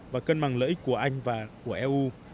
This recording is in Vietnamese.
và cân bằng lợi ích của anh và của eu